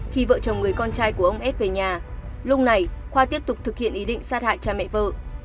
khi vợ chồng người con trai của ông s về nhà lúc này khoa tiếp tục thực hiện ý định sát hại cha mẹ vợ